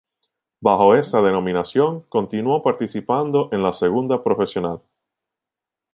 Bajo esta denominación continuó participando en la segunda profesional.